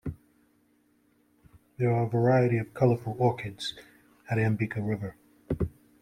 There are a variety if colourful orchids at Ambika river.